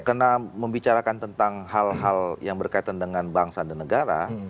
karena membicarakan tentang hal hal yang berkaitan dengan bangsa dan negara